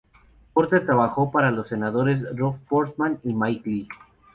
Porter trabajó para los senadores Rob Portman y Mike Lee.